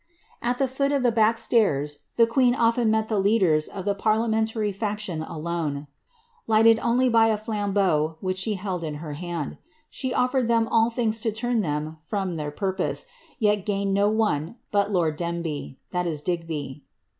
' At the foot of the back stairs the queen often met the leaders of the parliamentary &ctio& alone, ^ lighted only by a flambeau which she held in her hand ;' she oflered them all things to turn them from their purpose, yet gained do one but lord Dembi," (Digby.)